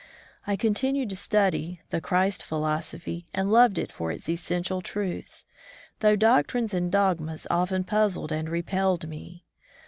I continued to study the Christ philosophy and loved it for its essential truths, though doctrines and dogmas often puzzled and repelled me.